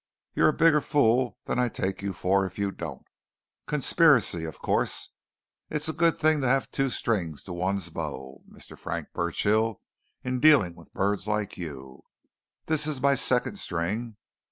"You're a bigger fool than I take you for if you don't. Conspiracy, of course! It's a good thing to have two strings to one's bow, Mr. Frank Burchill, in dealing with birds like you. This is my second string.